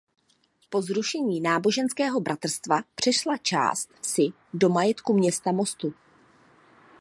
Po zrušení náboženského bratrstva přešla část vsi do majetku města Mostu.